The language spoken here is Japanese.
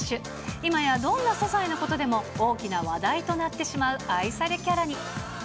今やどんな些細なことでも大きな話題となってしまう愛されキャラに。